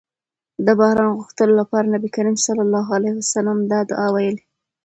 د باران غوښتلو لپاره نبي کريم صلی الله علیه وسلم دا دعاء ويلي